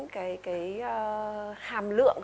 cái hàm lượng